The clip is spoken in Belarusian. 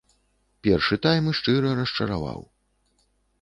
Першы тайм шчыра расчараваў.